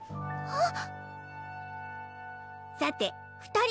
あっ